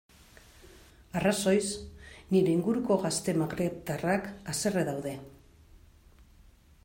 Arrazoiz, nire inguruko gazte magrebtarrak haserre daude.